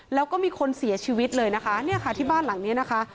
แล้วก็มีคนเสียชีวิตเลยนะคะเนี่ยค่ะที่บ้านหลังนี้นะคะ